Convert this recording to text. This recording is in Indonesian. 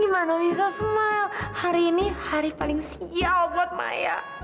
gimana bisa semua hari ini hari paling siap buat maya